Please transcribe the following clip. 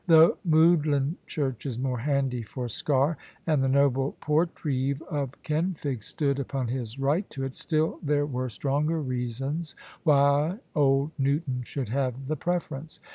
Though Moudlin church is more handy for Sker, and the noble Portreeve of Kenfig stood upon his right to it, still there were stronger reasons why old Newton should have the preference.